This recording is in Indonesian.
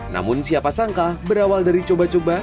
namun siapa sangka berawal dari coba coba